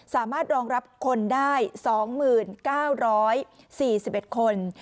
สามารถรองรับคนได้๒๙๔๑คน